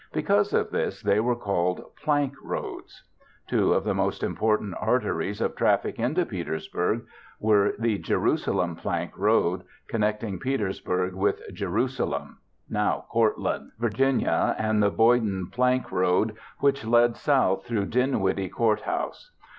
Because of this they were called "plank roads." Two of the most important arteries of traffic into Petersburg were the Jerusalem Plank Road, connecting Petersburg with Jerusalem (now Courtland), Va., and the Boydton Plank Road which led south through Dinwiddie Court House.